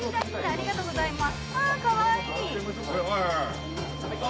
ありがとうございます。